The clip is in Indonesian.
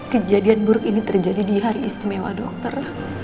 kejadian buruk ini terjadi di hari istimewa dokter